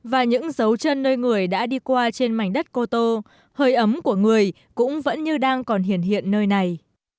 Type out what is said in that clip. và những dấu chân nơi người đã đi qua trên mảnh đất cô tô hơi ấm của người cũng vẫn như đang còn hiện hiện nơi này